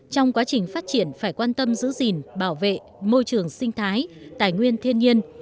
trong quá trình phát triển phải quan tâm giữ gìn bảo vệ môi trường sinh thái tài nguyên thiên nhiên